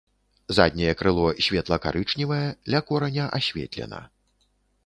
Задняе крыло светла-карычневае, ля кораня асветлена.